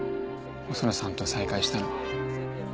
細野さんと再会したのは。